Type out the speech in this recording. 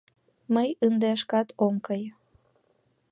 Мый ынде шкат ом кай.